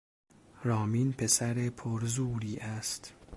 رامین پسر پرزوری است.